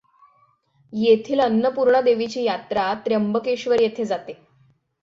येथील अन्नपूर्णा देवीची यात्रा त्र्यंबकेश्वर येथे जाते.